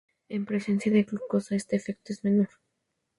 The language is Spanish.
En presencia de glucosa este efecto es menor.